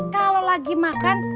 kalau lagi makan